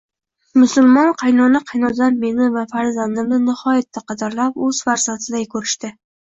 Musulmon qaynona-qaynotam meni va farzandimni nihoyatda qadrlab, o‘z farzandiday ko‘rishdi